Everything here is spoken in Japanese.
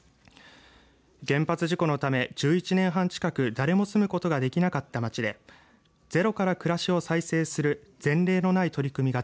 原発事故のため１１年半近く誰も住むことができなかった町でゼロから暮らしを再生する前例のない取り組みが